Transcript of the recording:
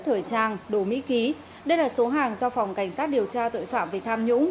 thời trang đồ mỹ ký đây là số hàng do phòng cảnh sát điều tra tội phạm về tham nhũng